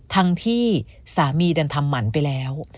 ทั้งที่สามีดันทำหมันไปแล้ว